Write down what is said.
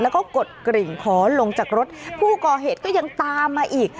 แล้วก็กดกริ่งขอลงจากรถผู้ก่อเหตุก็ยังตามมาอีก